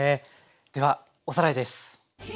ではおさらいです。